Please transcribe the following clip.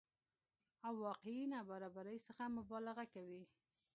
او واقعي نابرابرۍ څخه مبالغه کوي